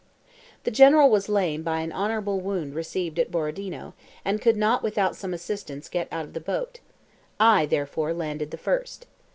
The General was lame by an honourable wound received at Borodino, and could not without some assistance get out of the boat; I, therefore, landed the first.